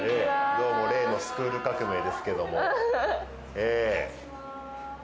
どうも例の『スクール革命！』ですけどもええ。